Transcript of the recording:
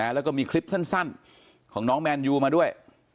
แล้วก็มีคลิปสั้นของน้องแมนยูมาด้วย